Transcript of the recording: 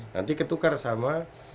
nanti ketukar sama